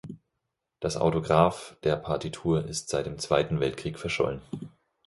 Das Autograph der Partitur ist seit dem Zweiten Weltkrieg verschollen.